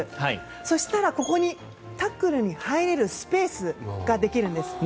そしたらここにタックルに入るスペースができるんです。